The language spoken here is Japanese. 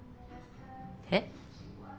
えっ？